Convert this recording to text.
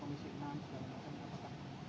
bapak lama jauh